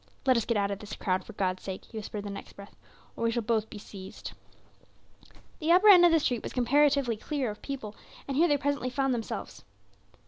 "Let us get out of this crowd, for God's sake," he whispered in the next breath, "or we shall both be seized." The upper end of the street was comparatively clear of people, and here they presently found themselves.